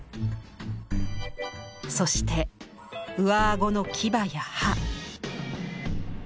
そして上顎の牙や歯。